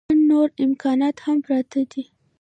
ګڼ نور امکانات هم پراته دي.